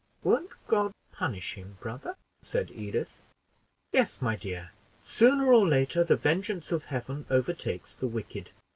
"Won't God punish him, brother?" said Edith. "Yes, my dear; sooner or later the vengeance of Heaven overtakes the wicked.